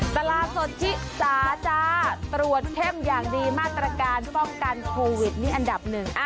ตลาดสดชิสาจ้าตรวจเข้มอย่างดีมาตรการป้องกันโควิดนี่อันดับหนึ่ง